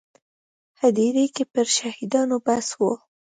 هدیرې کې پر شهیدانو بحث و.